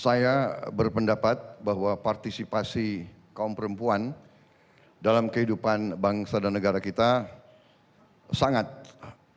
saya berpendapat bahwa partisipasi kaum perempuan dalam kehidupan bangsa dan negara kita sangat penting